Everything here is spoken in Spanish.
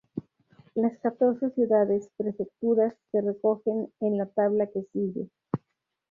Las catorce ciudades prefecturas se recogen en la tabla que sigue.